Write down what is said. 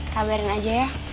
kabarin aja ya